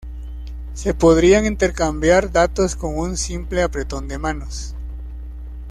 se podrían intercambiar datos con un simple apretón de manos